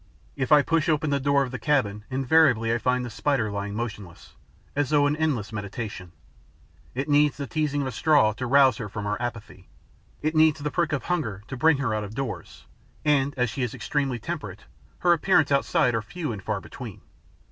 If I push open the door of the cabin, invariably I find the Spider lying motionless, as though in endless meditation. It needs the teasing of a straw to rouse her from her apathy. It needs the prick of hunger to bring her out of doors; and, as she is extremely temperate, her appearances outside are few and far between.